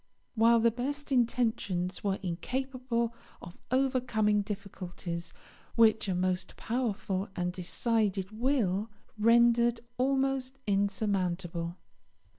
while the best intentions were incapable of overcoming difficulties which a most powerful and decided will rendered almost insurmountable.